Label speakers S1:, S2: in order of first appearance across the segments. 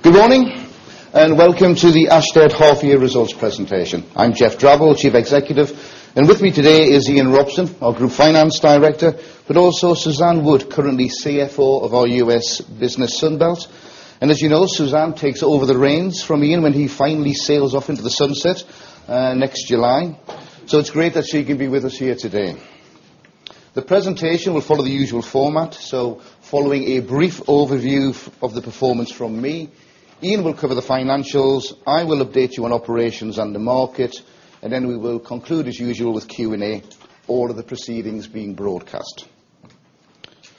S1: Good morning and welcome to the Ashtead Half Year Results Presentation. I'm Geoff Drabble, Chief Executive, and with me today is Ian Robson, our Group Finance Director, but also Suzanne Wood, currently CFO of our U.S. business Sunbelt. As you know, Suzanne takes over the reins from Ian when he finally sails off into the sunset next July. It's great that she can be with us here today. The presentation will follow the usual format. Following a brief overview of the performance from me, Ian will cover the financials, I will update you on operations and the market, and we will conclude, as usual, with Q&A, all of the proceedings being broadcast.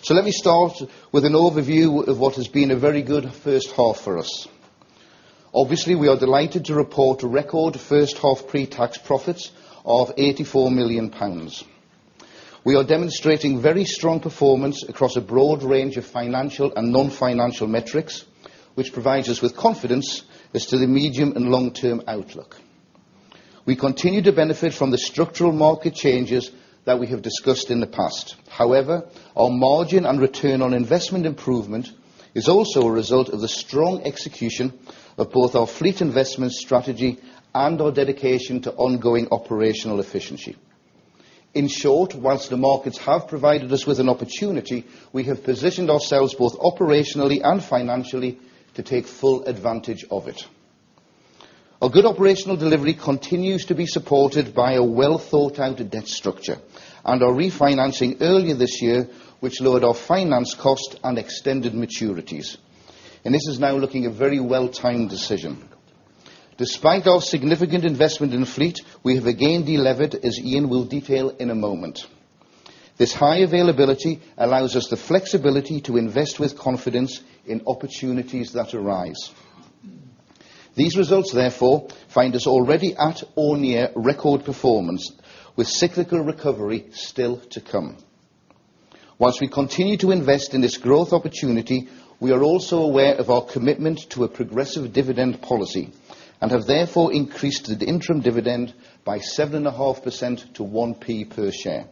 S1: Let me start with an overview of what has been a very good first half for us. Obviously, we are delighted to report record first half pre-tax profits of EUR 84 million. We are demonstrating very strong performance across a broad range of financial and non-financial metrics, which provides us with confidence as to the medium and long-term outlook. We continue to benefit from the structural market changes that we have discussed in the past. However, our margin and return on investment improvement is also a result of the strong execution of both our fleet investment strategy and our dedication to ongoing operational efficiency. In short, once the markets have provided us with an opportunity, we have positioned ourselves both operationally and financially to take full advantage of it. Our good operational delivery continues to be supported by a well-thought-out debt structure and our refinancing earlier this year, which lowered our finance costs and extended maturities. This is now looking at a very well-timed decision. Despite our significant investment in fleet, we have again delivered, as Ian will detail in a moment. This high availability allows us the flexibility to invest with confidence in opportunities that arise. These results, therefore, find us already at or near record performance, with cyclical recovery still to come. Once we continue to invest in this growth opportunity, we are also aware of our commitment to a progressive dividend policy and have therefore increased the interim dividend by 7.5% to 0.01 per share.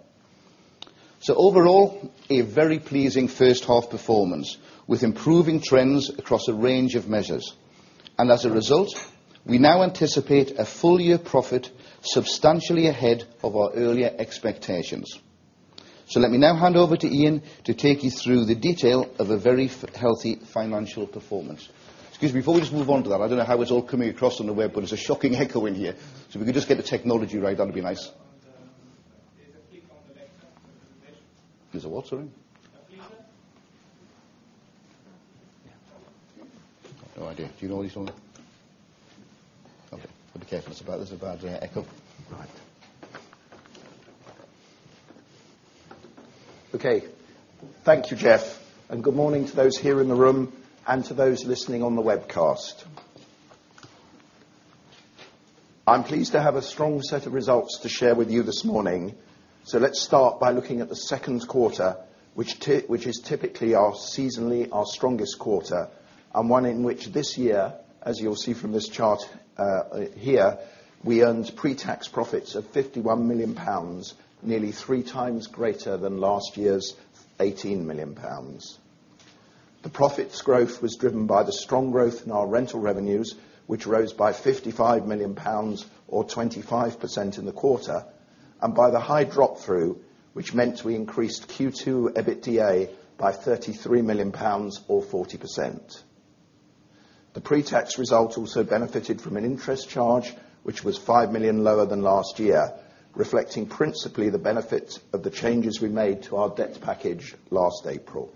S1: Overall, a very pleasing first half performance with improving trends across a range of measures. As a result, we now anticipate a full-year profit substantially ahead of our earlier expectations. Let me now hand over to Ian to take you through the detail of a very healthy financial performance. Excuse me, before we just move on to that, I don't know how it's all coming across on the web, but there's a shocking echo in here. If we could just get the technology right, that would be nice.
S2: Is the water in? No idea. Do you know what he's on? Okay, I'll be careful. There's a bad echo. Right. Okay, thank you, Geoff, and good morning to those here in the room and to those listening on the webcast. I'm pleased to have a strong set of results to share with you this morning. Let's start by looking at the second quarter, which is typically our seasonally strongest quarter and one in which this year, as you'll see from this chart here, we earned pre-tax profits of EUR 51 million, nearly 3x greater than last year's EUR 18 million. The profits growth was driven by the strong growth in our rental revenues, which rose by EUR 55 million, or 25% in the quarter, and by the high drop-through, which meant we increased Q2 EBITDA by EUR 33 million, or 40%. The pre-tax results also benefited from an interest charge, which was 5 million lower than last year, reflecting principally the benefits of the changes we made to our debt package last April.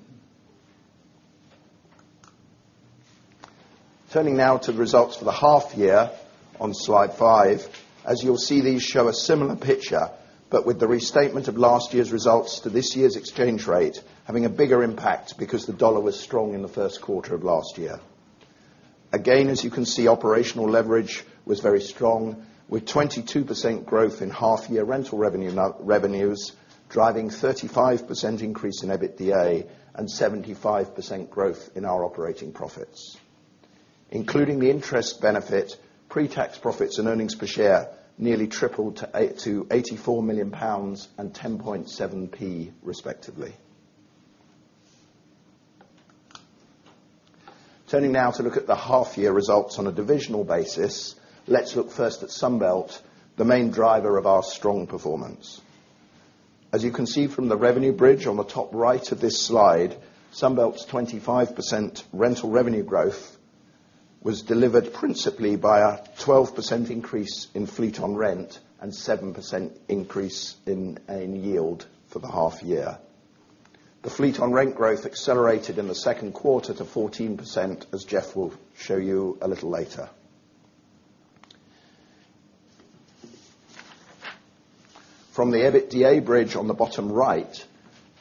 S2: Turning now to the results for the half year on slide five, as you'll see, these show a similar picture, but with the restatement of last year's results to this year's exchange rate having a bigger impact because the dollar was strong in the first quarter of last year. Again, as you can see, operational leverage was very strong, with 22% growth in half-year rental revenues, driving a 35% increase in EBITDA and 75% growth in our operating profits. Including the interest benefit, pre-tax profits and earnings per share nearly tripled to EUR 84 million and 10.7p, respectively. Turning now to look at the half-year results on a divisional basis, let's look first at Sunbelt, the main driver of our strong performance. As you can see from the revenue bridge on the top right of this slide, Sunbelt's 25% rental revenue growth was delivered principally by a 12% increase in fleet on rent and a 7% increase in yield for the half year. The fleet on rent growth accelerated in the second quarter to 14%, as Geoff will show you a little later. From the EBITDA bridge on the bottom right,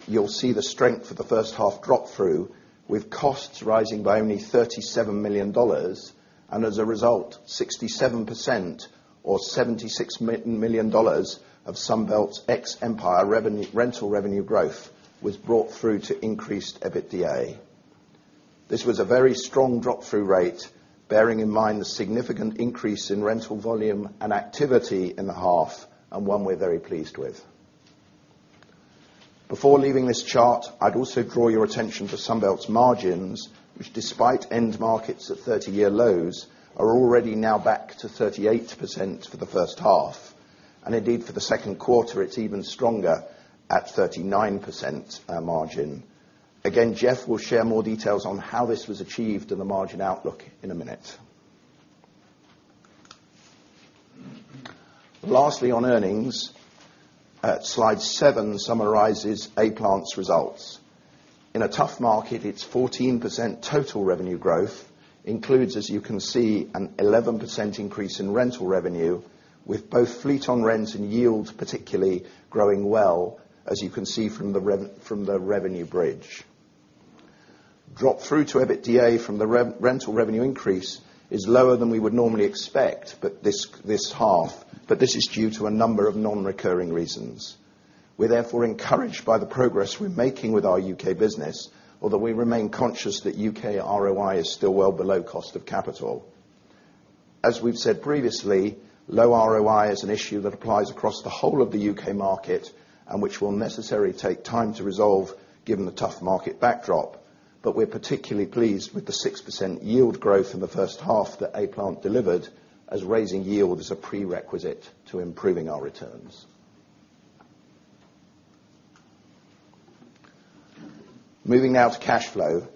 S2: you'll see the strength for the first half drop-through, with costs rising by only $37 million, and as a result, 67%, or $76 million of Sunbelt's ex-empire rental revenue growth was brought through to increased EBITDA. This was a very strong drop-through rate, bearing in mind the significant increase in rental volume and activity in the half, and one we're very pleased with. Before leaving this chart, I'd also draw your attention to Sunbelt's margins, which despite end markets at 30-year lows, are already now back to 38% for the first half. Indeed, for the second quarter, it's even stronger at 39% margin. Geoff will share more details on how this was achieved and the margin outlook in a minute. Lastly, on earnings, slide seven summarizes A-Plant's results. In a tough market, it's 14% total revenue growth, includes, as you can see, an 11% increase in rental revenue, with both fleet on rent and yield particularly growing well, as you can see from the revenue bridge. Drop-through to EBITDA from the rental revenue increase is lower than we would normally expect this half, but this is due to a number of non-recurring reasons. We are therefore encouraged by the progress we're making with our U.K. business, although we remain conscious that U.K. ROI is still well below cost of capital. As we've said previously, low ROI is an issue that applies across the whole of the U.K. market and which will necessarily take time to resolve given the tough market backdrop. We are particularly pleased with the 6% yield growth in the first half that A-Plant delivered, as raising yield is a prerequisite to improving our returns. Moving now to cash flow,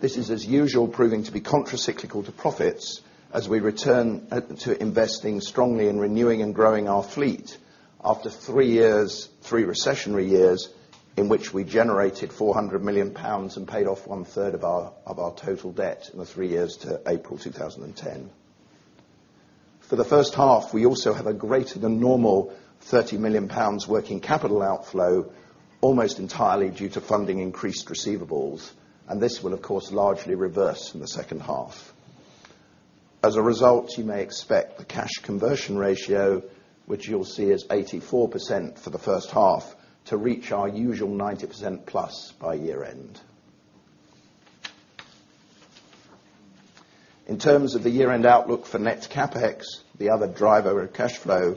S2: this is, as usual, proving to be contracyclical to profits as we return to investing strongly in renewing and growing our fleet after three years, three recessionary years, in which we generated EUR 400 million and paid off one-third of our total debt in the three years to April 2010. For the first half, we also have a greater-than-normal EUR 30 million working capital outflow, almost entirely due to funding increased receivables, and this will, of course, largely reverse in the second half. As a result, you may expect the cash conversion ratio, which you'll see is 84% for the first half, to reach our usual 90%+ by year-end. In terms of the year-end outlook for net CAPEX, the other driver of cash flow,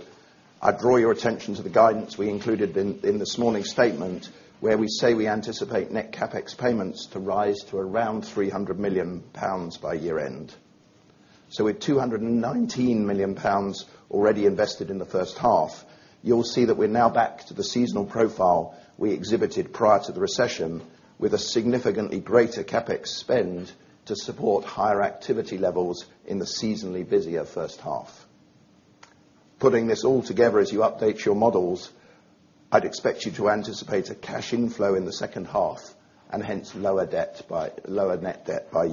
S2: I'd draw your attention to the guidance we included in this morning's statement where we say we anticipate net CAPEX payments to rise to around EUR 300 million by year-end. With EUR 219 million already invested in the first half, you'll see that we're now back to the seasonal profile we exhibited prior to the recession, with a significantly greater CAPEX spend to support higher activity levels in the seasonally busier first half. Putting this all together, as you update your models, I'd expect you to anticipate a cash inflow in the second half and hence lower net debt by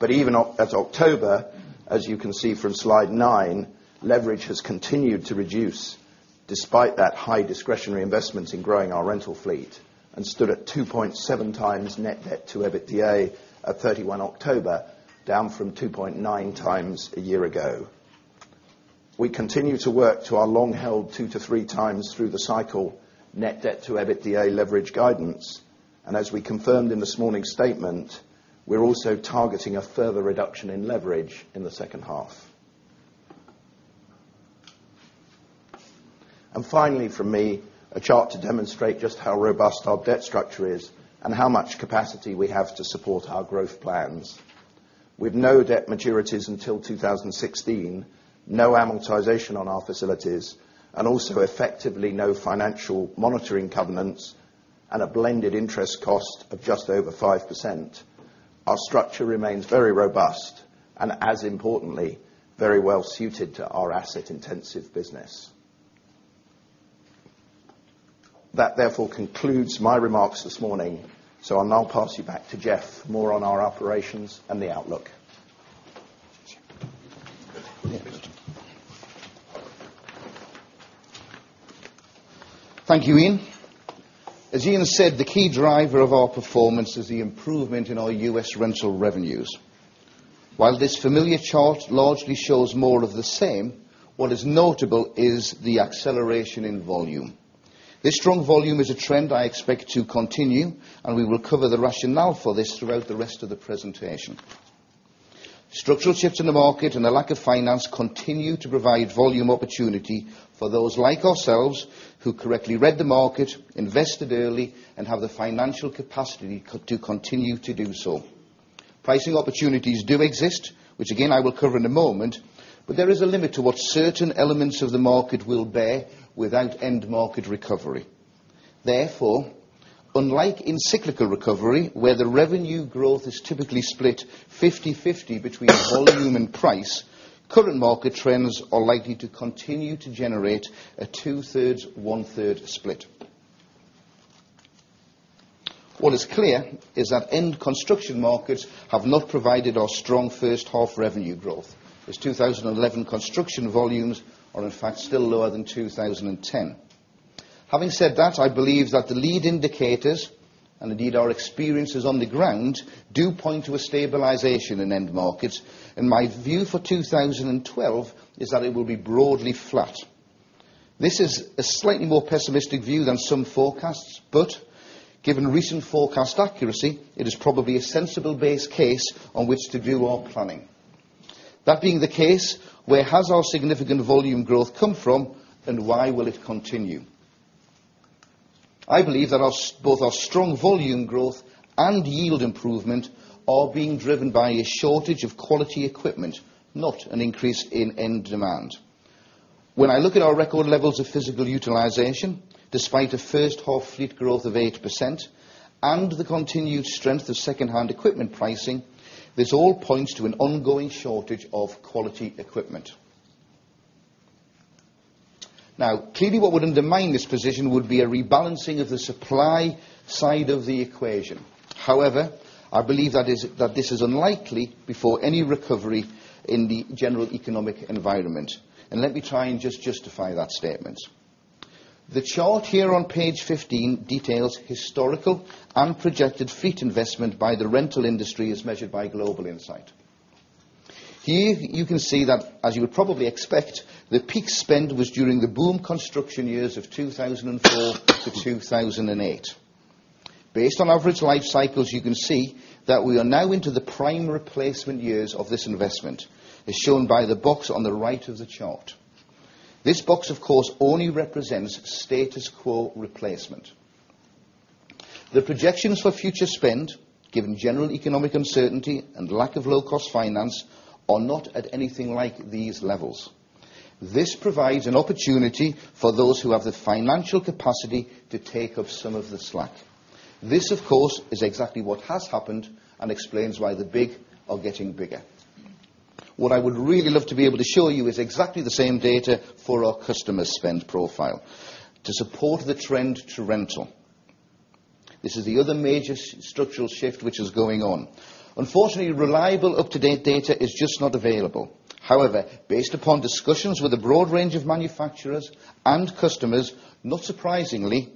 S2: year-end. Even as of October, as you can see from slide nine, leverage has continued to reduce despite that high discretionary investment in growing our rental fleet and stood at 2.7x net debt to EBITDA at 31 October, down from 2.9x a year ago. We continue to work to our long-held 2x-3x through the cycle net debt to EBITDA leverage guidance, and as we confirmed in this morning's statement, we're also targeting a further reduction in leverage in the second half. Finally, for me, a chart to demonstrate just how robust our debt structure is and how much capacity we have to support our growth plans. With no debt maturities until 2016, no amortization on our facilities, and also effectively no financial monitoring covenants, and a blended interest cost of just over 5%, our structure remains very robust and, as importantly, very well suited to our asset-intensive business. That therefore concludes my remarks this morning, so I'll now pass you back to Geoff for more on our operations and the outlook.
S1: Thank you, Ian. As Ian said, the key driver of our performance is the improvement in our U.S. rental revenues. While this familiar chart largely shows more of the same, what is notable is the acceleration in volume. This strong volume is a trend I expect to continue, and we will cover the rationale for this throughout the rest of the presentation. Structural shifts in the market and the lack of finance continue to provide volume opportunity for those like ourselves who correctly read the market, invested early, and have the financial capacity to continue to do so. Pricing opportunities do exist, which again I will cover in a moment, but there is a limit to what certain elements of the market will bear without end market recovery. Therefore, unlike in cyclical recovery, where the revenue growth is typically split 50/50 between volume and price, current market trends are likely to continue to generate a two-thirds, one-third split. What is clear is that end construction markets have not provided our strong first half revenue growth, as 2011 construction volumes are in fact still lower than 2010. Having said that, I believe that the lead indicators, and indeed our experiences on the ground, do point to a stabilization in end markets, and my view for 2012 is that it will be broadly flat. This is a slightly more pessimistic view than some forecasts, but given recent forecast accuracy, it is probably a sensible base case on which to do our planning. That being the case, where has our significant volume growth come from, and why will it continue? I believe that both our strong volume growth and yield improvement are being driven by a shortage of quality equipment, not an increase in end demand. When I look at our record levels of physical utilization, despite a first half fleet growth of 8%, and the continued strength of secondhand equipment pricing, this all points to an ongoing shortage of quality equipment. Clearly, what would undermine this position would be a rebalancing of the supply side of the equation. However, I believe that this is unlikely before any recovery in the general economic environment. Let me try and just justify that statement. The chart here on page 15 details historical and projected fleet investment by the rental industry as measured by Global Insight. Here you can see that, as you would probably expect, the peak spend was during the boom construction years of 2004-2008. Based on average life cycles, you can see that we are now into the prime replacement years of this investment, as shown by the box on the right of the chart. This box, of course, only represents status quo replacement. The projections for future spend, given general economic uncertainty and lack of low-cost finance, are not at anything like these levels. This provides an opportunity for those who have the financial capacity to take up some of the slack. This is exactly what has happened and explains why the big are getting bigger. What I would really love to be able to show you is exactly the same data for our customer spend profile to support the trend to rental. This is the other major structural shift which is going on. Unfortunately, reliable up-to-date data is just not available. However, based upon discussions with a broad range of manufacturers and customers, not surprisingly,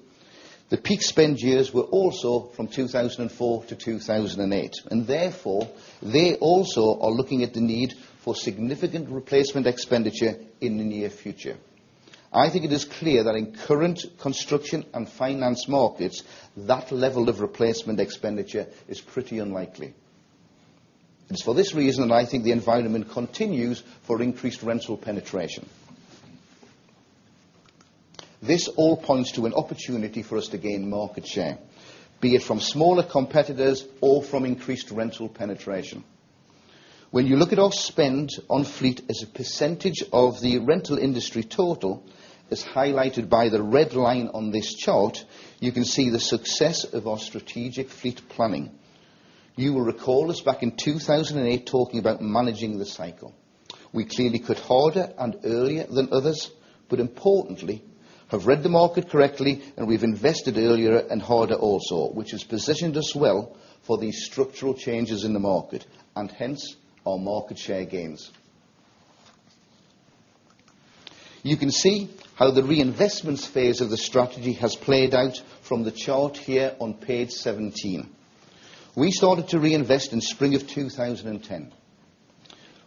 S1: the peak spend years were also from 2004-2008, and therefore they also are looking at the need for significant replacement expenditure in the near future. I think it is clear that in current construction and finance markets, that level of replacement expenditure is pretty unlikely. It is for this reason that I think the environment continues for increased rental penetration. This all points to an opportunity for us to gain market share, be it from smaller competitors or from increased rental penetration. When you look at our spend on fleet as a percentage of the rental industry total, as highlighted by the red line on this chart, you can see the success of our strategic fleet planning. You will recall us back in 2008 talking about managing the cycle. We clearly cut harder and earlier than others, but importantly, have read the market correctly, and we've invested earlier and harder also, which has positioned us well for these structural changes in the market and hence our market share gains. You can see how the reinvestment phase of the strategy has played out from the chart here on page 17. We started to reinvest in spring of 2010.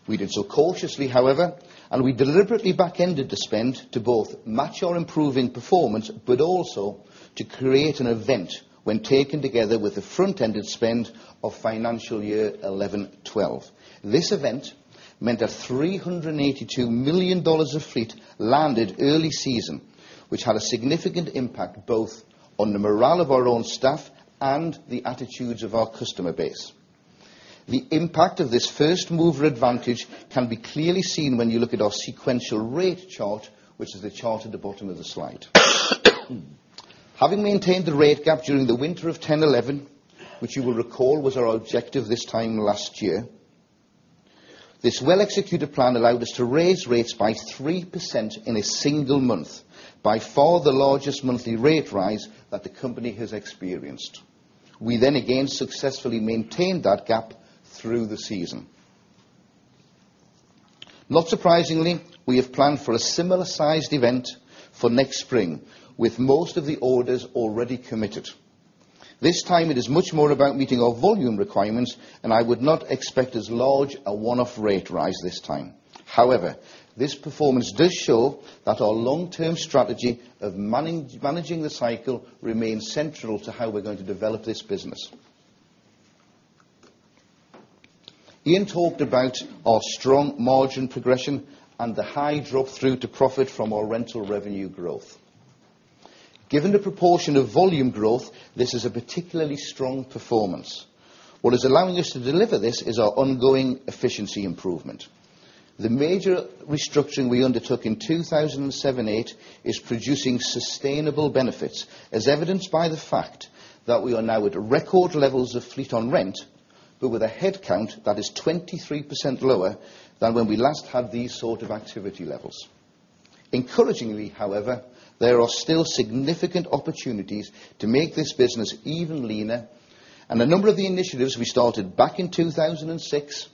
S1: We did so cautiously, however, and we deliberately back-ended the spend to both match our improving performance, but also to create an event when taken together with the front-ended spend of financial year 2011, 2012. This event meant that $382 million of fleet landed early season, which had a significant impact both on the morale of our own staff and the attitudes of our customer base. The impact of this first mover advantage can be clearly seen when you look at our sequential rate chart, which is the chart at the bottom of the slide. Having maintained the rate gap during the winter of 2010, 2011, which you will recall was our objective this time last year, this well-executed plan allowed us to raise rates by 3% in a single month, by far the largest monthly rate rise that the company has experienced. We then again successfully maintained that gap through the season. Not surprisingly, we have planned for a similar-sized event for next spring, with most of the orders already committed. This time, it is much more about meeting our volume requirements, and I would not expect as large a one-off rate rise this time. However, this performance does show that our long-term strategy of managing the cycle remains central to how we're going to develop this business. Ian talked about our strong margin progression and the high drop-through to profit from our rental revenue growth. Given the proportion of volume growth, this is a particularly strong performance. What is allowing us to deliver this is our ongoing efficiency improvement. The major restructuring we undertook in 2007, 2008 is producing sustainable benefits, as evidenced by the fact that we are now at record levels of fleet on rent, but with a headcount that is 23% lower than when we last had these sort of activity levels. Encouragingly, however, there are still significant opportunities to make this business even leaner, and a number of the initiatives we started back in 2006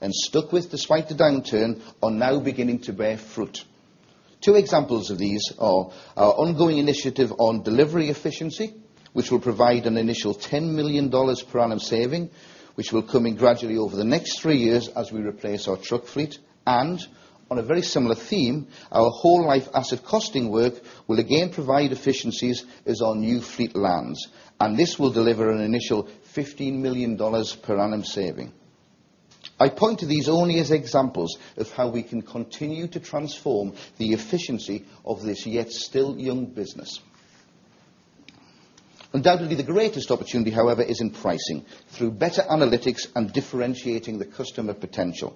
S1: and stuck with despite the downturn are now beginning to bear fruit. Two examples of these are our ongoing initiative on delivery efficiency, which will provide an initial $10 million per annum saving, which will come in gradually over the next three years as we replace our truck fleet. On a very similar theme, our whole-life asset costing work will again provide efficiencies as our new fleet lands, and this will deliver an initial $15 million per annum saving. I point to these only as examples of how we can continue to transform the efficiency of this yet still young business. Undoubtedly, the greatest opportunity, however, is in pricing through better analytics and differentiating the customer potential.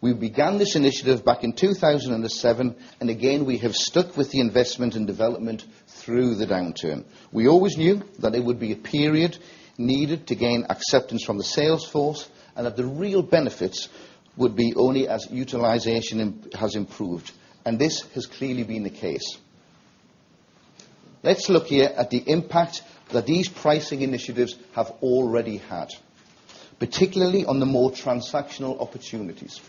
S1: We began this initiative back in 2007, and again, we have stuck with the investment and development through the downturn. We always knew that it would be a period needed to gain acceptance from the sales force and that the real benefits would be only as utilization has improved, and this has clearly been the case. Let's look here at the impact that these pricing initiatives have already had, particularly on the more transactional opportunities.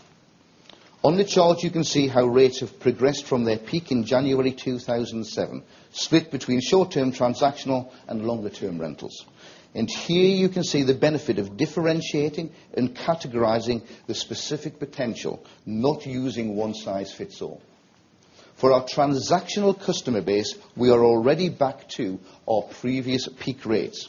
S1: On the chart, you can see how rates have progressed from their peak in January 2007, split between short-term transactional and longer-term rentals. Here you can see the benefit of differentiating and categorizing the specific potential, not using one size fits all. For our transactional customer base, we are already back to our previous peak rates.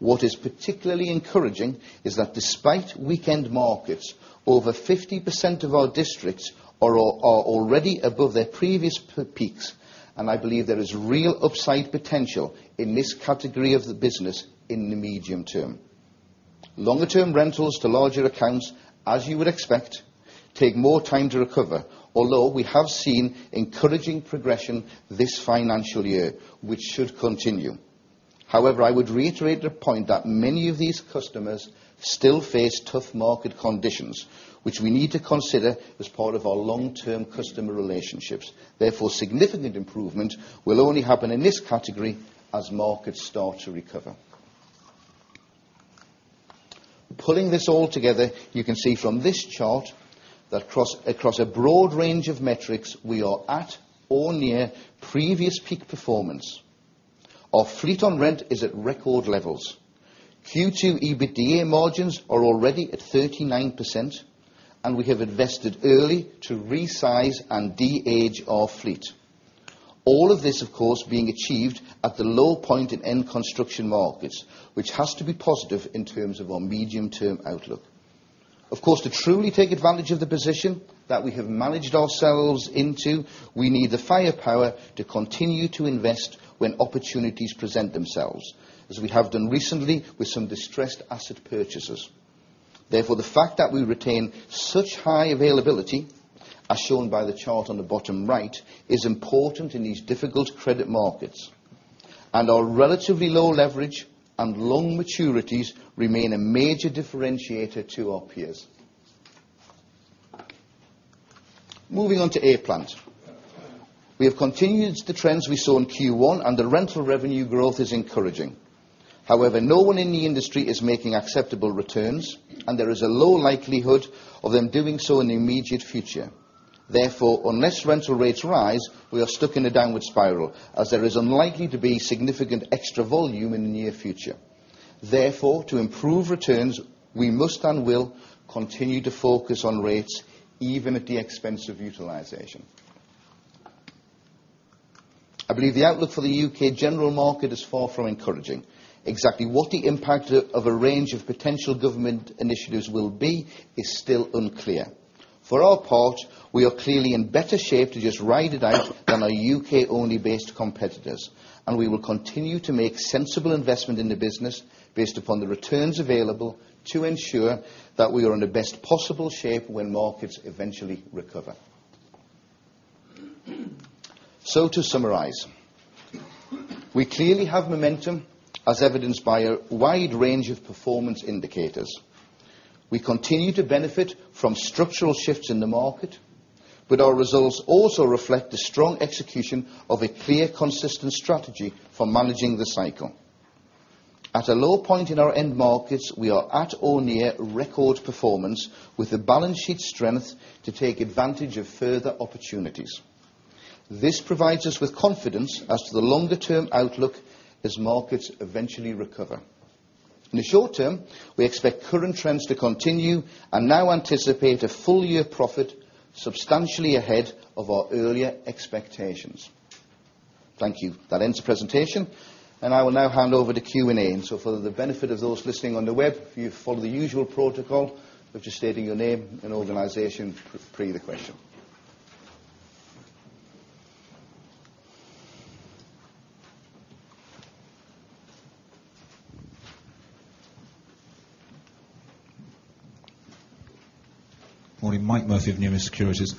S1: What is particularly encouraging is that despite weekend markets, over 50% of our districts are already above their previous peaks, and I believe there is real upside potential in this category of the business in the medium term. Longer-term rentals to larger accounts, as you would expect, take more time to recover, although we have seen encouraging progression this financial year, which should continue. However, I would reiterate the point that many of these customers still face tough market conditions, which we need to consider as part of our long-term customer relationships. Therefore, significant improvement will only happen in this category as markets start to recover. Pulling this all together, you can see from this chart that across a broad range of metrics, we are at or near previous peak performance. Our fleet on rent is at record levels. Q2 EBITDA margins are already at 39%, and we have invested early to resize and de-age our fleet. All of this, of course, being achieved at the low point in end construction markets, which has to be positive in terms of our medium-term outlook. Of course, to truly take advantage of the position that we have managed ourselves into, we need the firepower to continue to invest when opportunities present themselves, as we have done recently with some distressed asset purchases. Therefore, the fact that we retain such high availability, as shown by the chart on the bottom right, is important in these difficult credit markets. Our relatively low leverage and long maturities remain a major differentiator to our peers. Moving on to A-Plant, we have continued the trends we saw in Q1, and the rental revenue growth is encouraging. However, no one in the industry is making acceptable returns, and there is a low likelihood of them doing so in the immediate future. Therefore, unless rental rates rise, we are stuck in a downward spiral, as there is unlikely to be significant extra volume in the near future. Therefore, to improve returns, we must and will continue to focus on rates even at the expense of utilization. I believe the outlook for the U.K. general market is far from encouraging. Exactly what the impact of a range of potential government initiatives will be is still unclear. For our part, we are clearly in better shape to just ride it out than our U.K. only based competitors, and we will continue to make sensible investment in the business based upon the returns available to ensure that we are in the best possible shape when markets eventually recover. To summarize, we clearly have momentum, as evidenced by a wide range of performance indicators. We continue to benefit from structural shifts in the market, but our results also reflect the strong execution of a clear, consistent strategy for managing the cycle. At a low point in our end markets, we are at or near record performance with the balance sheet strength to take advantage of further opportunities. This provides us with confidence as to the longer-term outlook as markets eventually recover. In the short term, we expect current trends to continue and now anticipate a full-year profit substantially ahead of our earlier expectations. Thank you. That ends the presentation. I will now hand over to Q&A. For the benefit of those listening on the web, if you follow the usual protocol, which is stating your name and organization, please proceed with your question.
S3: Morning. Mike Murphy of Nearest Securities.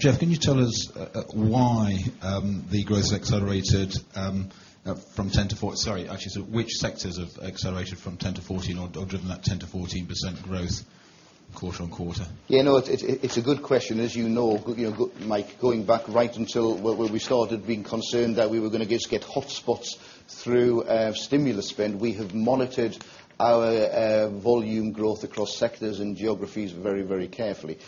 S3: Geoff, can you tell us why the growth has accelerated from 10% to 14%? Sorry, actually, which sectors have accelerated from 10% to 14% or driven that 10% to 14% growth quarter on quarter?
S1: Yeah, no, it's a good question. As you know, Mike, going back right until where we started being concerned that we were going to just get hotspots through stimulus spend, we have monitored our volume growth across sectors and geographies very, very carefully.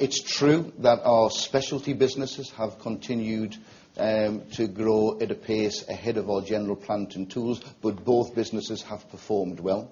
S1: It's true that our specialty businesses have continued to grow at a pace ahead of our general plan and tools, but both businesses have performed well.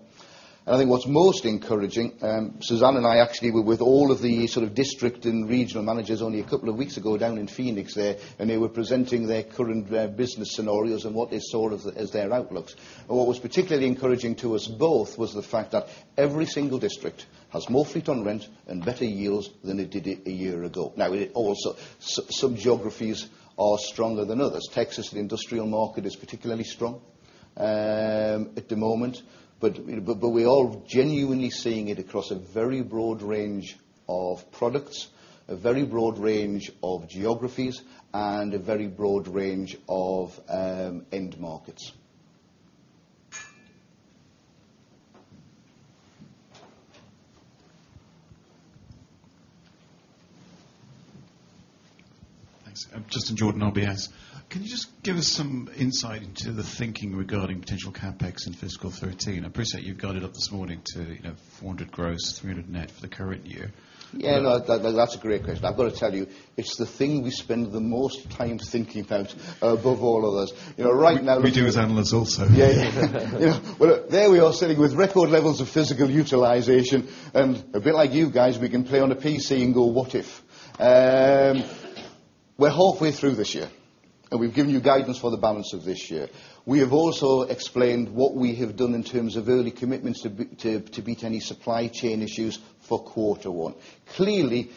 S1: I think what's most encouraging, Suzanne and I actually were with all of the sort of district and regional managers only a couple of weeks ago down in Phoenix there, and they were presenting their current business scenarios and what they saw as their outlooks. What was particularly encouraging to us both was the fact that every single district has more fleet on rent and better yields than it did a year ago. It also is true some geographies are stronger than others. Texas and the industrial market is particularly strong at the moment. We are all genuinely seeing it across a very broad range of products, a very broad range of geographies, and a very broad range of end markets.
S4: Thanks. Justin Jordan, RBS. Can you just give us some insight into the thinking regarding potential CAPEX in fiscal 2013? I appreciate you've got it up this morning to 400 million gross, 300 million net for the current year.
S1: Yeah, no, that's a great question. I've got to tell you, it's the thing we spend the most time thinking about above all of us.
S4: We do as analysts also.
S1: Yeah, there we are sitting with record levels of physical utilization, and a bit like you guys, we can play on a PC and go, "What if?" We're halfway through this year, and we've given you guidance for the balance of this year. We have also explained what we have done in terms of early commitments to beat any supply chain issues for quarter one. Clearly,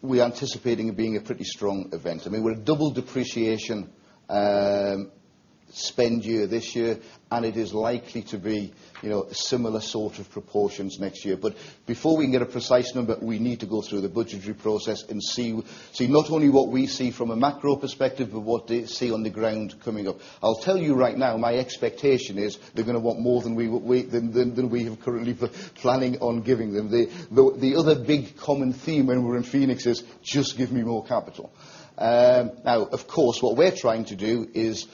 S1: we're anticipating it being a pretty strong event. I mean, we're a double depreciation spend year this year, and it is likely to be a similar sort of proportions next year. Before we can get a precise number, we need to go through the budgetary process and see not only what we see from a macro perspective, but what they see on the ground coming up. I'll tell you right now, my expectation is they're going to want more than we have currently planning on giving them. The other big common theme when we're in Phoenix is, "Just give me more capital." Of course, what we're trying to do is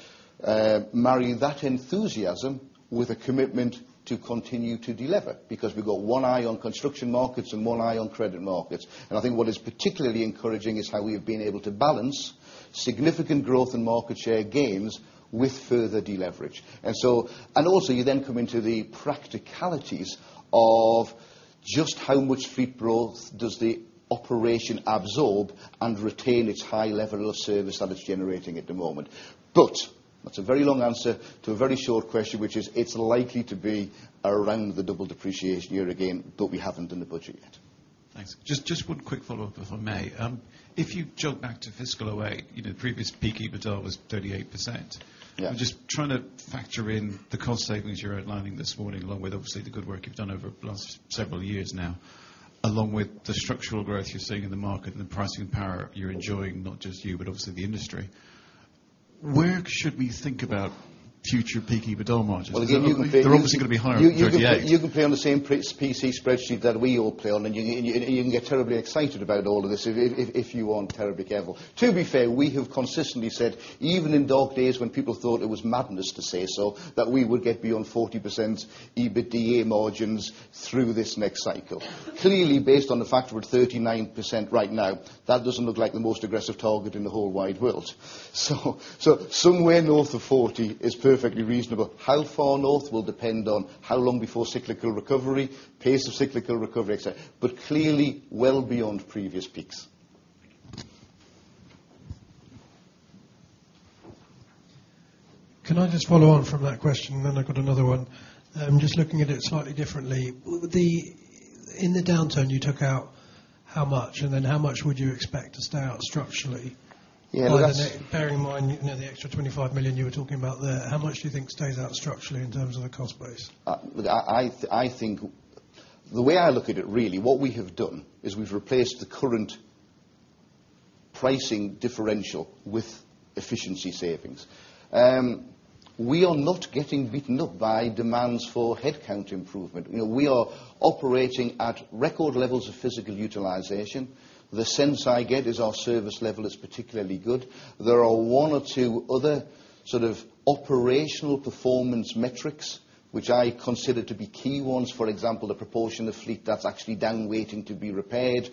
S1: marry that enthusiasm with a commitment to continue to deliver because we've got one eye on construction markets and one eye on credit markets. I think what is particularly encouraging is how we've been able to balance significant growth and market share gains with further deleverage. You then come into the practicalities of just how much fleet growth does the operation absorb and retain its high level of service that it's generating at the moment. That's a very long answer to a very short question, which is it's likely to be around the double depreciation year again, but we haven't done the budget yet.
S4: Thanks. Just one quick follow-up, if I may. If you jump back to fiscal 2008, previous peak EBITDA was 38%. I'm just trying to factor in the cost savings you're outlining this morning, along with obviously the good work you've done over the last several years now, along with the structural growth you're seeing in the market and the pricing power you're enjoying, not just you, but obviously the industry. Where should we think about future peak EBITDA margins?
S1: You can play.
S4: They're obviously going to be higher in the EBITDA.
S1: You can play on the same PC spreadsheet that we all play on, and you can get terribly excited about all of this if you aren't terribly careful. To be fair, we have consistently said, even in dog days when people thought it was madness to say so, that we would get beyond 40% EBITDA margins through this next cycle. Clearly, based on the fact that we're 39% right now, that doesn't look like the most aggressive target in the whole wide world. Somewhere north of 40% is perfectly reasonable. How far north will depend on how long before cyclical recovery, pace of cyclical recovery, etc., but clearly well beyond previous peaks.
S5: Can I just follow on from that question? I've got another one. I'm just looking at it slightly differently. In the downturn, you took out how much, and how much would you expect to stay out structurally? Yeah, Bearing in mind the extra 25 million you were talking about there, how much do you think stays out structurally in terms of the cost base?
S1: I think the way I look at it, really, what we have done is we've replaced the current pricing differential with efficiency savings. We are not getting beaten up by demands for headcount improvement. We are operating at record levels of physical utilization. The sense I get is our service level is particularly good. There are one or two other sort of operational performance metrics which I consider to be key ones. For example, the proportion of fleet that's actually down waiting to be repaired,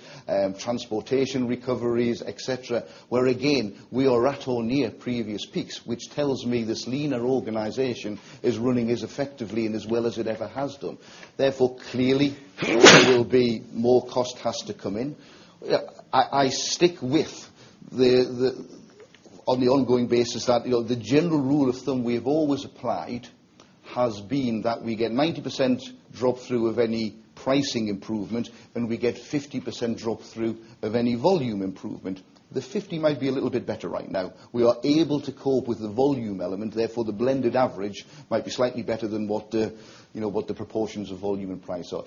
S1: transportation recoveries, etc., where again, we are at or near previous peaks, which tells me this leaner organization is running as effectively and as well as it ever has done. Therefore, clearly, it will be more cost has to come in. I stick with on the ongoing basis that the general rule of thumb we've always applied has been that we get 90% drop-through of any pricing improvement and we get 50% drop-through of any volume improvement. The 50% might be a little bit better right now. We are able to cope with the volume element. Therefore, the blended average might be slightly better than what the proportions of volume and price are.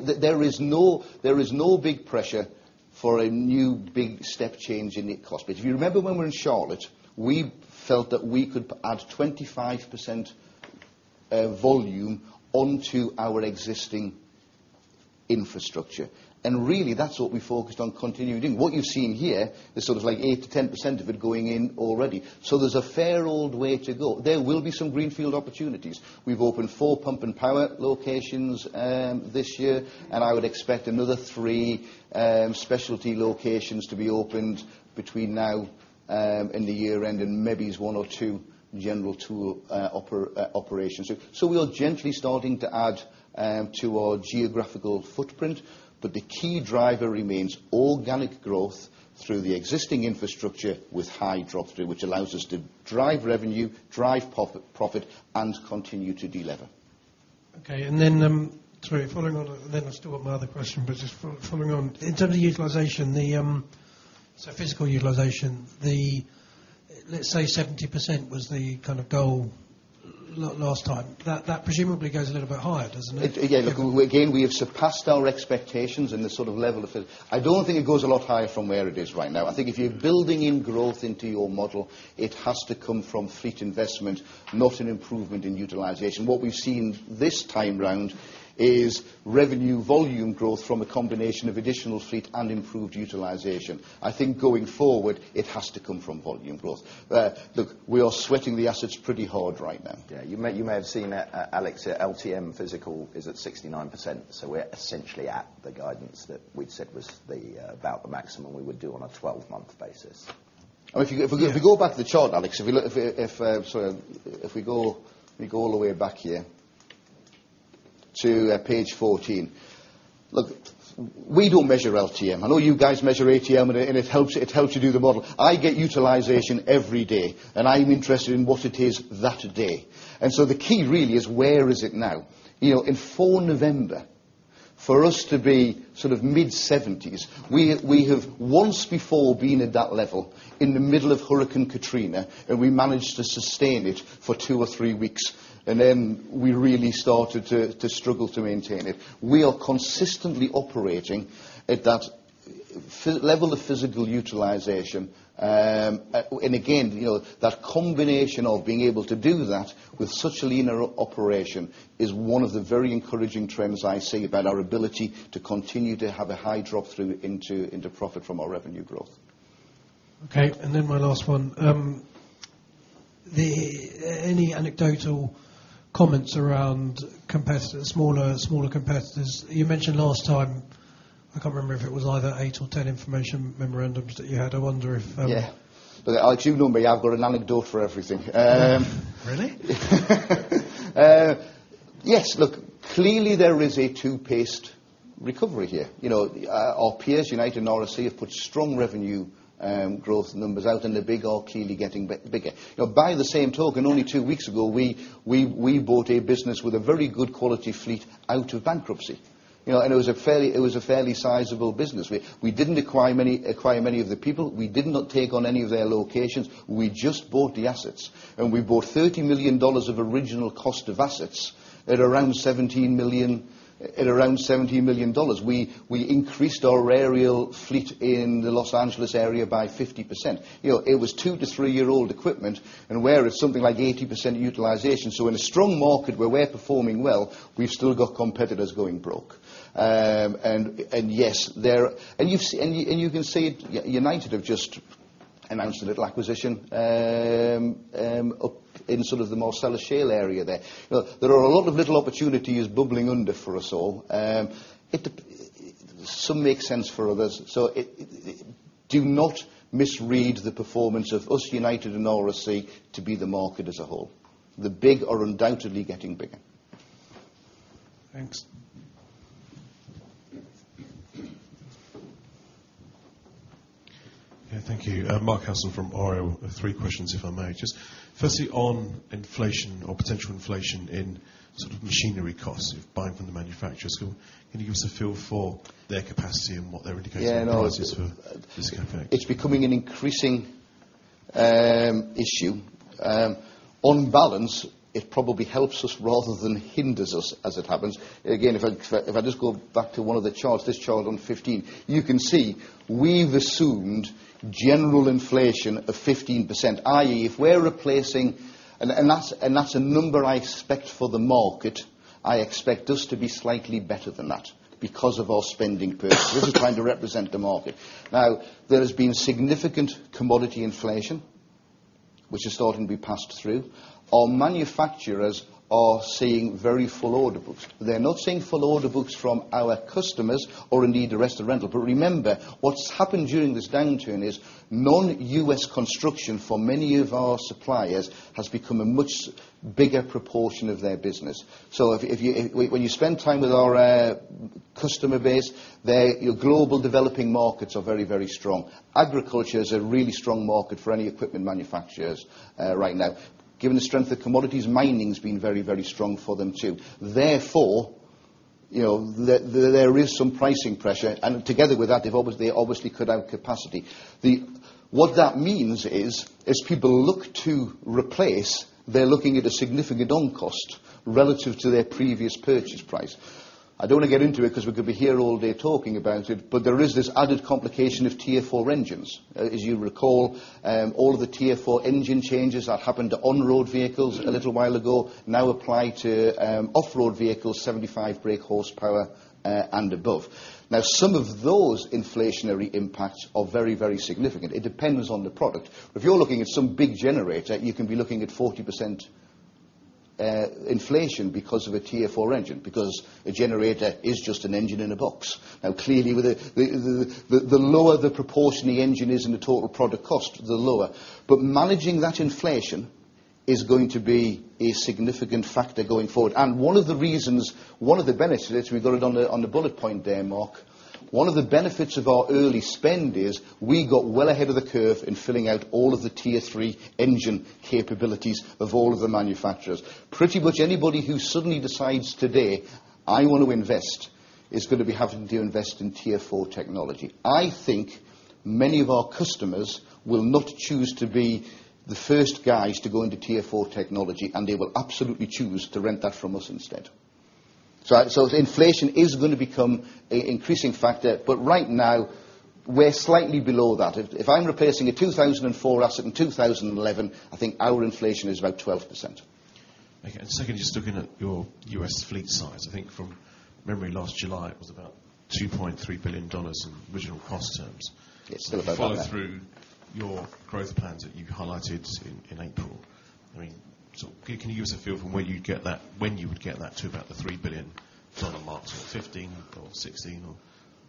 S1: There is no big pressure for a new big step change in the cost base. If you remember when we were in Charlotte, we felt that we could add 25% volume onto our existing infrastructure. Really, that's what we focused on continuing doing. What you've seen here is sort of like 8%-10% of it going in already. There is a fair old way to go. There will be some greenfield opportunities. We've opened four pump and power locations this year, and I would expect another three specialty locations to be opened between now and the year-end and maybe one or two general tool operations. We are gently starting to add to our geographical footprint, but the key driver remains organic growth through the existing infrastructure with high drop-through, which allows us to drive revenue, drive profit, and continue to deliver.
S5: Okay. Sorry, following on, I still have my other question, but it's following on. In terms of utilization, so physical utilization, let's say 70% was the kind of goal last time. That presumably goes a little bit higher, doesn't it?
S1: Yeah, look, again, we have surpassed our expectations in the sort of level of it. I don't think it goes a lot higher from where it is right now. I think if you're building in growth into your model, it has to come from fleet investment, not an improvement in utilization. What we've seen this time round is revenue volume growth from a combination of additional fleet and improved utilization. I think going forward, it has to come from volume growth. Look, we are sweating the assets pretty hard right now.
S2: Yeah, you may have seen, Alex, here LTM physical is at 69%. We're essentially at the guidance that we'd said was about the maximum we would do on a 12-month basis.
S1: If you go back to the chart, Alex, if we go all the way back here to page 14, look, we don't measure LTM. I know you guys measure ATM, and it helps you do the model. I get utilization every day, and I'm interested in what it is that day. The key really is where is it now? In 4 November, for us to be sort of mid-70s, we have once before been at that level in the middle of Hurricane Katrina, and we managed to sustain it for two or three weeks, and then we really started to struggle to maintain it. We are consistently operating at that level of physical utilization. That combination of being able to do that with such a linear operation is one of the very encouraging trends I see about our ability to continue to have a high drop-through into profit from our revenue growth.
S5: Okay. My last one, any anecdotal comments around smaller competitors? You mentioned last time, I can't remember if it was either 8 or 10 information memorandums that you had. I wonder if.
S1: Yeah, I'll assume you know me. I've got an anecdote for everything.
S5: Really?
S1: Yes. Clearly there is a two-paced recovery here. You know, our peers, United and RSC, have put strong revenue growth numbers out, and the big are clearly getting bigger. By the same token, only two weeks ago, we bought a business with a very good quality fleet out of bankruptcy. It was a fairly sizable business. We didn't acquire many of the people. We did not take on any of their locations. We just bought the assets. We bought $30 million of original cost of assets at around $17 million. We increased our aerial fleet in the Los Angeles area by 50%. It was two to three-year-old equipment, and where it's something like 80% utilization. In a strong market where we're performing well, we've still got competitors going broke. You can see United have just announced a little acquisition in sort of the Marcellus Shale area there. There are a lot of little opportunities bubbling under for us all. Some make sense for others. Do not misread the performance of us, United and RSC, to be the market as a whole. The big are undoubtedly getting bigger.
S5: Thanks
S6: Okay. Thank you. Mark Hassel from Oil, three questions, if I may. Firstly, on inflation or potential inflation in sort of machinery costs, if buying from the manufacturers. Can you give us a feel for their capacity and what their indication is for this kind of thing?
S1: It's becoming an increasing issue. On balance, it probably helps us rather than hinders us as it happens. Again, if I just go back to one of the charts, this chart on 15, you can see we've assumed general inflation of 15%. If we're replacing, and that's a number I expect for the market, I expect us to be slightly better than that because of our spending purposes. This is trying to represent the market. There has been significant commodity inflation, which is starting to be passed through. Our manufacturers are seeing very full order books. They're not seeing full order books from our customers or indeed the rest of the rental. Remember, what's happened during this downturn is non-U.S. construction for many of our suppliers has become a much bigger proportion of their business. When you spend time with our customer base, your global developing markets are very, very strong. Agriculture is a really strong market for any equipment manufacturers right now. Given the strength of commodities, mining has been very, very strong for them too. Therefore, there is some pricing pressure, and together with that, they obviously cut out capacity. What that means is as people look to replace, they're looking at a significant cost relative to their previous purchase price. I don't want to get into it because we could be here all day talking about it, but there is this added complication of tier four engines. As you recall, all of the tier four engine changes that happened to on-road vehicles a little while ago now apply to off-road vehicles, 75 brake horsepower and above. Some of those inflationary impacts are very, very significant. It depends on the product. If you're looking at some big generator, you can be looking at 40% inflation because of a tier four engine, because a generator is just an engine in a box. Clearly, the lower the proportion the engine is in the total product cost, the lower. Managing that inflation is going to be a significant factor going forward. One of the reasons, one of the benefits, we've got it on the bullet point there, Mark, one of the benefits of our early spend is we got well ahead of the curve in filling out all of the tier three engine capabilities of all of the manufacturers. Pretty much anybody who suddenly decides today, "I want to invest," is going to be having to invest in tier four technology. I think many of our customers will not choose to be the first guys to go into tier four technology, and they will absolutely choose to rent that from us instead. Inflation is going to become an increasing factor, but right now, we're slightly below that. If I'm replacing a 2004 asset in 2011, I think our inflation is about 12%.
S6: Okay. Second, just looking at your U.S. fleet size, I think from memory last July, it was about $2.3 billion in original cost terms.
S1: It's still about.
S6: Following through your growth plans that you highlighted in April, can you give us a feel from where you'd get that, when you would get that to about the $3 billion market, 2015 or 2016?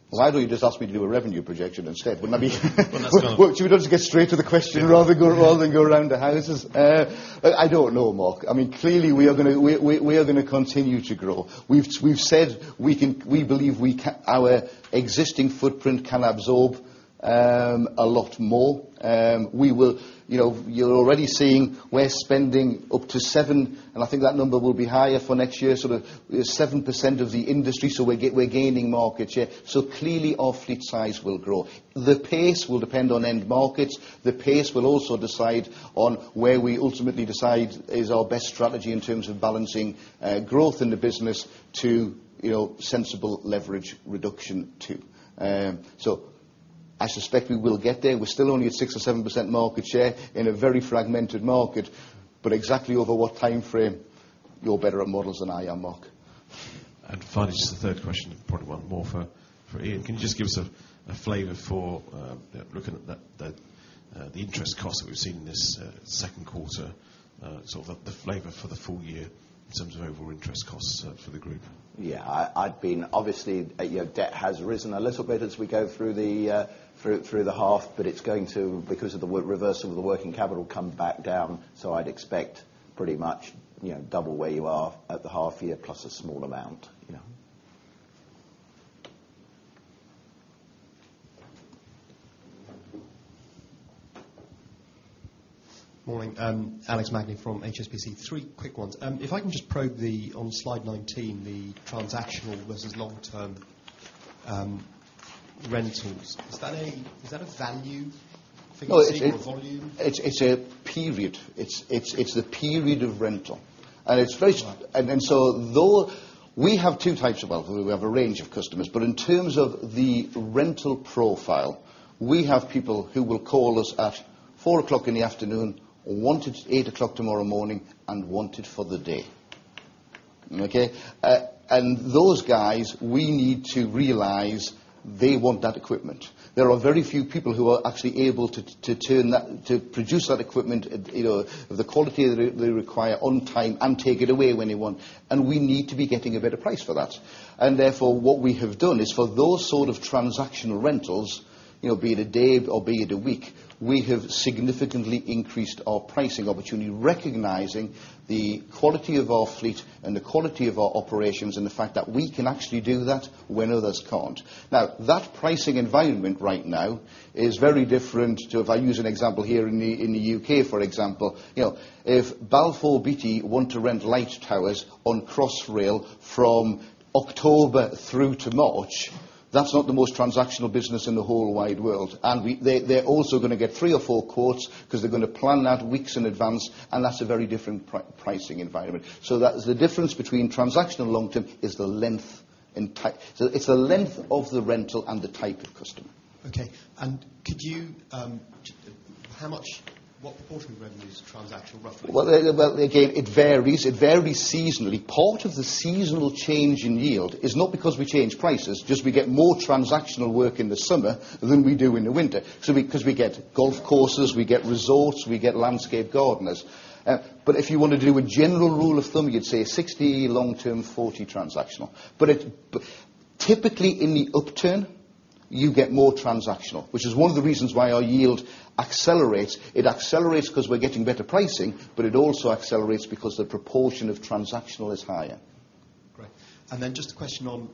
S1: Why don't you just ask me to do a revenue projection instead? Wouldn't that be?
S2: That's kind of.
S1: Should we just get straight to the question rather than go around the houses? I don't know, Mark. I mean, clearly, we are going to continue to grow. We've said we believe our existing footprint can absorb a lot more. You're already seeing we're spending up to 7%, and I think that number will be higher for next year, sort of 7% of the industry. We're gaining market share. Clearly, our fleet size will grow. The pace will depend on end markets. The pace will also decide on where we ultimately decide is our best strategy in terms of balancing growth in the business to sensible leverage reduction too. I suspect we will get there. We're still only at 6% or 7% market share in a very fragmented market, but exactly over what timeframe, you're better on models than I am, Mark.
S6: Finally, just the third question, probably one more for Ian. Can you just give us a flavor for looking at the interest costs that we've seen in this second quarter, the flavor for the full year in terms of overall interest costs for the group?
S2: Yeah, debt has risen a little bit as we go through the half, but it's going to, because of the reversal of the working capital, come back down. I'd expect pretty much double where you are at the half year plus a small amount.
S5: Morning. Alex Magni from HSBC. Three quick ones. If I can just probe, on slide 19, the transactional versus long-term rentals, is that a value figure?
S1: No, it's a period. It's the period of rental. It's very, and though we have two types of rentals, we have a range of customers, but in terms of the rental profile, we have people who will call us at 4:00 P.M., want it at 8:00 A.M. tomorrow morning, and want it for the day. Okay? Those guys, we need to realize they want that equipment. There are very few people who are actually able to produce that equipment of the quality they require on time and take it away when they want. We need to be getting a better price for that. Therefore, what we have done is for those sort of transactional rentals, you know, be it a day or be it a week, we have significantly increased our pricing opportunity, recognizing the quality of our fleet and the quality of our operations and the fact that we can actually do that when others can't. That pricing environment right now is very different to, if I use an example here in the U.K. for example, if Balfour Beatty want to rent light towers on Crossrail from October through to March, that's not the most transactional business in the whole wide world. They're also going to get three or four quotes because they're going to plan that weeks in advance, and that's a very different pricing environment. The difference between transactional and long-term is the length and type. It's the length of the rental and the type of customer.
S5: Could you, how much, what proportion of revenue is transactional roughly?
S1: It varies seasonally. Part of the seasonal change in yield is not because we change prices, just we get more transactional work in the summer than we do in the winter. We get golf courses, we get resorts, we get landscape gardeners. If you wanted to do a general rule of thumb, you'd say 60% long-term, 40% transactional. Typically in the upturn, you get more transactional, which is one of the reasons why our yield accelerates. It accelerates because we're getting better pricing, but it also accelerates because the proportion of transactional is higher.
S5: Great. Just a question on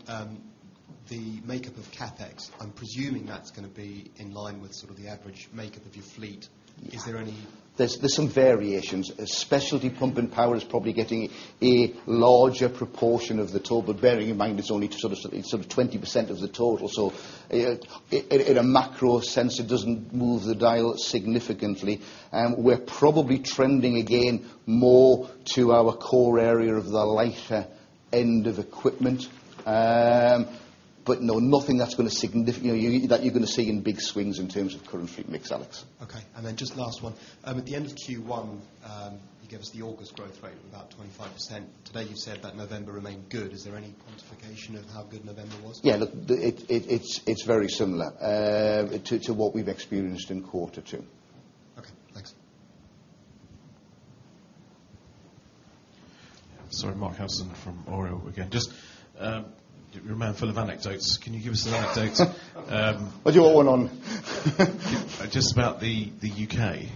S5: the makeup of CAPEX. I'm presuming that's going to be in line with sort of the average makeup of your fleet. Is there any?
S1: Thre are some variations. Specialty pump and power is probably getting a larger proportion of the total, but bearing in mind it's only sort of 20% of the total. In a macro sense, it doesn't move the dial significantly. We're probably trending again more to our core area of the lighter end of equipment. No, nothing that's going to significantly, that you're going to see in big swings in terms of current fleet mix, Alex.
S5: Okay. Just last one. At the end of Q1, you gave us the August growth rate of about 25%. Today you've said that November remained good. Is there any quantification of how good November was?
S1: Yeah, look, it's very similar to what we've experienced in quarter two.
S6: Okay. Thanks. Sorry, Mark Hassel from Oil again. Just your man full of anecdotes. Can you give us his anecdotes?
S1: What do you all want on?
S6: Just about the U.K.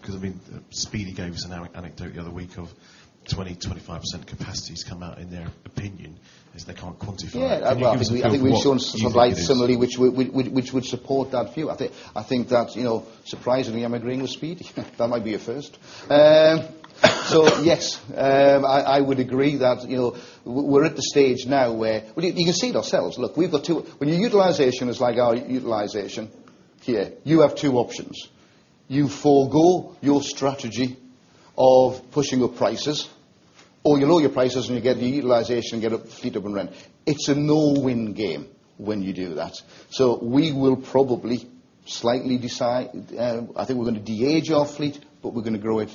S6: because I mean, Speedy gave us an anecdote the other week of 20%-25% capacity has come out in their opinion. They can't quantify it.
S1: Yeah, I think we're showing some of, similarly, which would support that view. I think that, you know, surprisingly, I'm agreeing with Speedy. That might be a first. Yes, I would agree that, you know, we're at the stage now where, well, you can see it ourselves. Look, we've got two, when your utilization is like our utilization here, you have two options. You forego your strategy of pushing up prices, or you lower your prices and you get the utilization to get a fleet on rent. It's a no-win game when you do that. We will probably slightly decide, I think we're going to de-age our fleet, but we're going to grow it.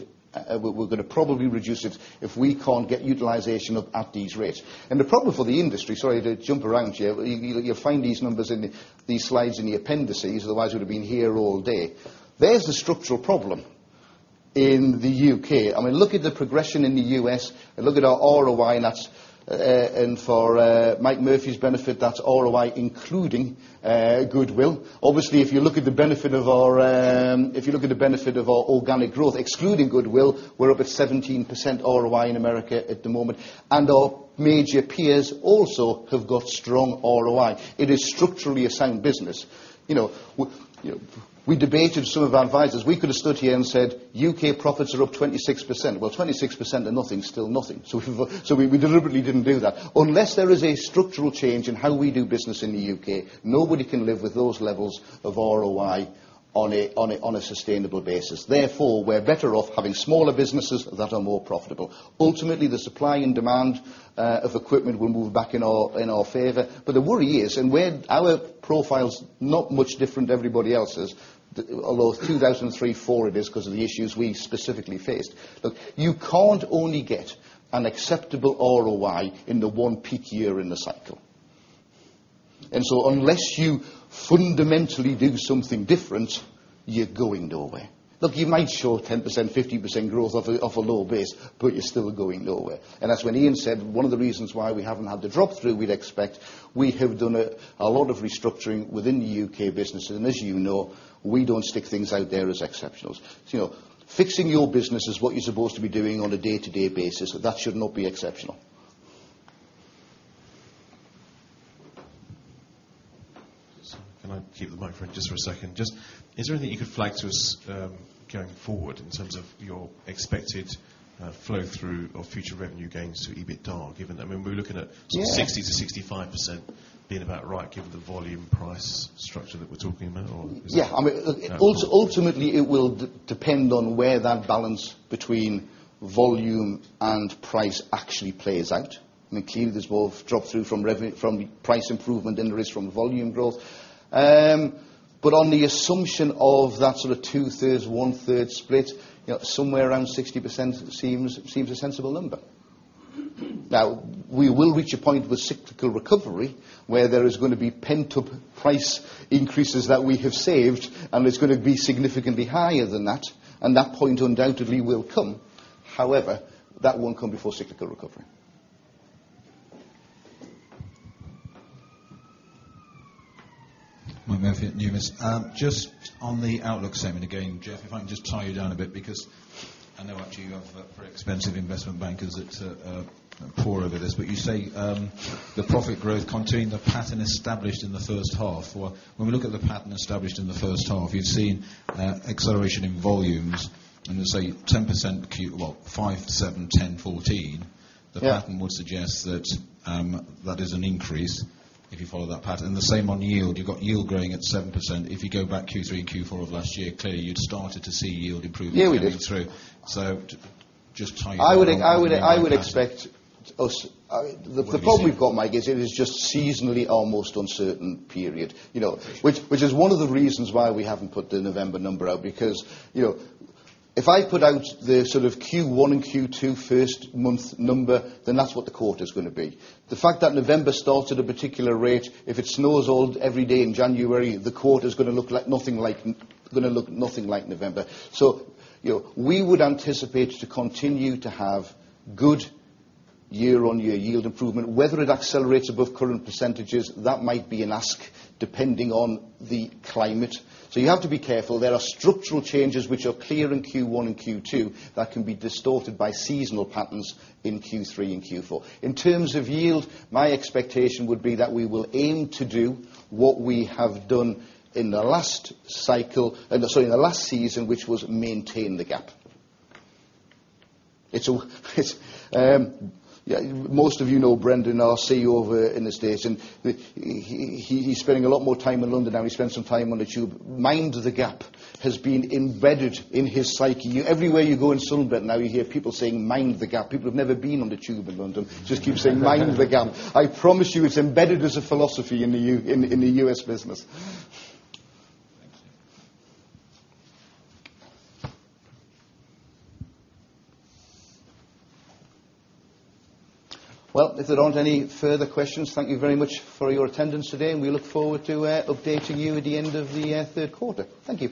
S1: We're going to probably reduce it if we can't get utilization up at these rates. The problem for the industry, sorry to jump around here, you'll find these numbers in these slides in the appendices. Otherwise, we'd have been here all day. There's the structural problem in the U.K. I mean, look at the progression in the U.S. and look at our ROI, and that's, and for Mike Murphy's benefit, that's ROI including goodwill. Obviously, if you look at the benefit of our, if you look at the benefit of our organic growth, excluding goodwill, we're up at 17% ROI in America at the moment. Our major peers also have got strong ROI. It is structurally a sound business. You know, we debated some of our advisors. We could have stood here and said, "U.K. profits are up 26%." 26% of nothing, still nothing. We deliberately didn't do that. Unless there is a structural change in how we do business in the U.K. nobody can live with those levels of ROI on a sustainable basis. Therefore, we're better off having smaller businesses that are more profitable. Ultimately, the supply and demand of equipment will move back in our favor. The worry is, and where our profile is not much different to everybody else's, although it's 2003, 2004 it is because of the issues we specifically faced. Look, you can't only get an acceptable ROI in the one peak year in the cycle. Unless you fundamentally do something different, you're going nowhere. Look, you might show 10%, 50% growth off a low base, but you're still going nowhere. That's when Ian said one of the reasons why we haven't had the drop-through we'd expect. We have done a lot of restructuring within the U.K. businesses, and as you know, we don't stick things out there as exceptionals. Fixing your business is what you're supposed to be doing on a day-to-day basis. That should not be exceptional.
S6: Can I keep the microphone just for a second? Is there anything you could flag to us going forward in terms of your expected flow-through of future revenue gains to EBITDA? Given, I mean, we're looking at 60%-65% being about right, given the volume price structure that we're talking about, or is it?
S1: Yeah, I mean, ultimately, it will depend on where that balance between volume and price actually plays out. I mean, clearly, there's both drop-through from price improvement and the risk from volume growth. On the assumption of that sort of 2/3s, 1/3 split, you know, somewhere around 60% seems a sensible number. We will reach a point with cyclical recovery where there is going to be pent-up price increases that we have saved, and it's going to be significantly higher than that. That point undoubtedly will come. However, that won't come before cyclical recovery.
S7: Mike Murphy at Nearest. Just on the outlook segment again, Geoff, if I can just tie you down a bit, because I know actually you have very expensive investment bankers that pore over this, but you say the profit growth contained the pattern established in the first half. When we look at the pattern established in the first half, you've seen an acceleration in volumes, and let's say 10%, 5%, 7%, 10%, 14%. The pattern would suggest that that is an increase if you follow that pattern. The same on yield. You've got yield growing at 7%. If you go back Q3 and Q4 of last year, clearly you'd started to see yield improvement coming through. Just tie it.
S1: I would expect, oh, the problem we've got, Mike, is it is just seasonally almost uncertain period, you know, which is one of the reasons why we haven't put the November number out, because, you know, if I put out the sort of Q1 and Q2 first month number, then that's what the quarter is going to be. The fact that November started at a particular rate, if it snows all every day in January, the quarter is going to look like nothing like November. You know, we would anticipate to continue to have good year-on-year yield improvement. Whether it accelerates above current percentages, that might be an ask depending on the climate. You have to be careful. There are structural changes which are clear in Q1 and Q2 that can be distorted by seasonal patterns in Q3 and Q4. In terms of yield, my expectation would be that we will aim to do what we have done in the last cycle, sorry, in the last season, which was maintain the gap. Most of you know Brendan [Arce] over in the States, and he's spending a lot more time in London. Now he spends some time on the tube. Mind the gap has been embedded in his psyche. Everywhere you go in Sunderland, now you hear people saying, "Mind the gap." People have never been on the tube in London. Just keep saying, "Mind the gap." I promise you it's embedded as a philosophy in the U.S. business. If there aren't any further questions, thank you very much for your attendance today, and we look forward to updating you at the end of the third quarter. Thank you.